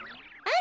あ。